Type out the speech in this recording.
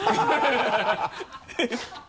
ハハハ